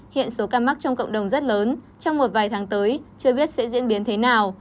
hiện số ca mắc trong cộng đồng rất lớn trong một vài tháng tới chưa biết sẽ diễn biến thế nào